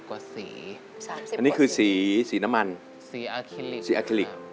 ๓๐กว่าสีสีอาคิลิกสีน้ำมันสีอาคิลิก